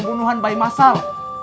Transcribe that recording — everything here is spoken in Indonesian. pembunuhan bayi masal